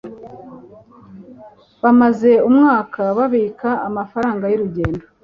Bamaze umwaka babika amafaranga y'urugendo.